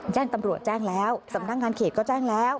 แจ้งตำรวจแจ้งแล้วสำนักงานเขตก็แจ้งแล้ว